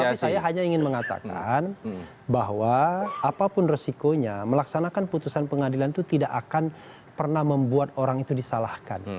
tapi saya hanya ingin mengatakan bahwa apapun resikonya melaksanakan putusan pengadilan itu tidak akan pernah membuat orang itu disalahkan